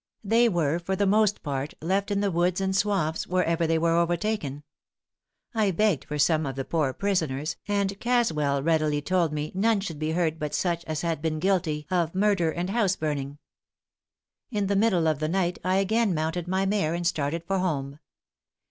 They were, for the most part, left in the woods and swamps wherever they were overtaken. I begged for some of the poor prisoners, and Caswell readily told me none should be hurt but such as had been guilty of murder and house burning. In the middle of the night I again mounted my mare and started for home.